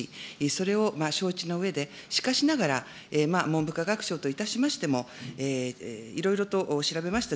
それを承知のうえで、しかしながら、文部科学省といたしましても、いろいろと調べました